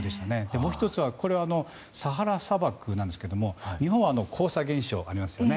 もう１つはサハラ砂漠なんですけども日本は黄砂現象がありますよね。